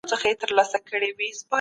مننه او عاجزي